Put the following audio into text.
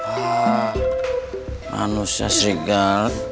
ah manusia serigala